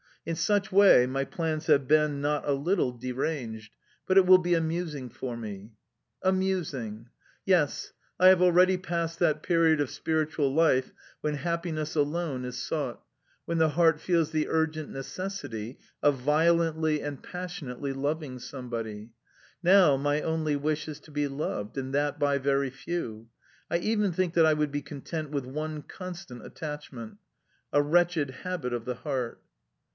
In such way, my plans have been not a little deranged, but it will be amusing for me... Amusing!... Yes, I have already passed that period of spiritual life when happiness alone is sought, when the heart feels the urgent necessity of violently and passionately loving somebody. Now my only wish is to be loved, and that by very few. I even think that I would be content with one constant attachment. A wretched habit of the heart!...